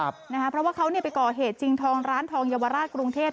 เพราะว่าเขาไปก่อเหตุชิงทองร้านทองเยาวราชกรุงเทพ